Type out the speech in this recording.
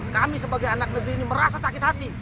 kami sebagai anak negeri ini merasa sakit hati